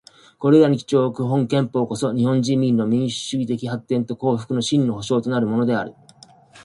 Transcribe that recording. これらに基調をおく本憲法こそ、日本人民の民主主義的発展と幸福の真の保障となるものである。